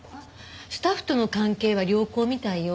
スタッフとの関係は良好みたいよ。